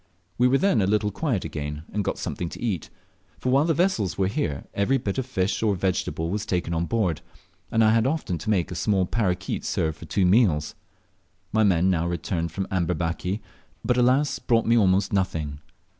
We were then a little quiet again, and got something to eat; for while the vessels were here every bit of fish or vegetable was taken on board, and I had often to make a small parroquet serve for two meals. My men now returned from Amberbaki, but, alas brought me almost nothing.